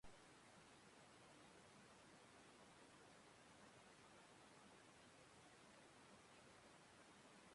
Gainera, hitz egiteko gaitasuna eta gorputzaren eskuinaldeko mugikortasuna galdu zituen.